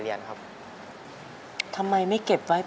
โดยโปรแกรมแม่รักลูกมาก